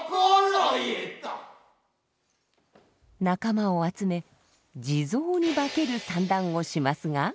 仲間を集め地蔵に化ける算段をしますが。